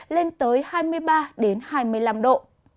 lên tới hai mươi ba hai mươi năm độ